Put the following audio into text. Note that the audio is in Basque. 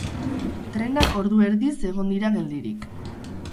Trenak ordu erdiz egon dira geldirik.